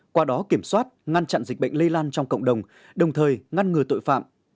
qua đó kiểm soát ngăn chặn dịch bệnh lây lan trong cộng đồng đồng thời ngăn ngừa tội phạm